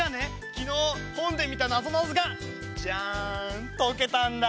きのうほんでみたなぞなぞがじゃんとけたんだ。